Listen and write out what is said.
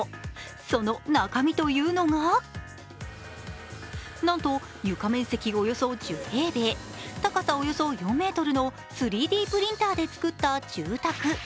その中身というのがなんと床面積およそ１０平米、高さおよそ４ｍの３Ｄプリンターで造った住宅。